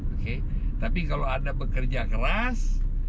oke tapi kalau anda bekerja keras